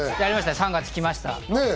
３月、きました。